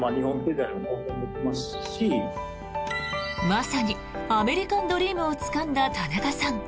まさにアメリカンドリームをつかんだ田中さん。